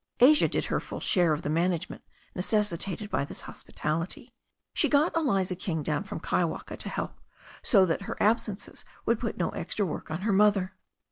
Asia did her full share of the management necessitated by this hospitality. She got Eliza King down from Kaiwaka to help, so that her absences would put no extra work on lier mother.